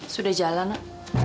sudah jalan non